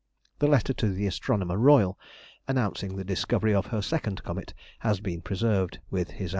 The letter to the Astronomer Royal, announcing the discovery of her second comet, has been preserved, with his answer.